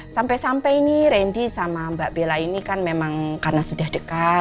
sampai sampai ini randy sama mbak bella ini kan memang karena sudah dekat